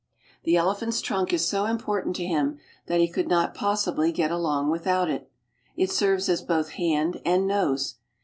The elephant's trunk is so important to him that he Icould not possibly get along without it. It serves as both Phand and nose.